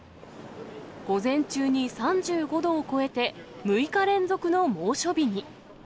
午前中に３５度を超えて、６日連続の猛暑日に。